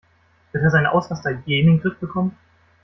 Wird er seine Ausraster je in den Griff bekommen?